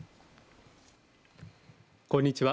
こんにちは。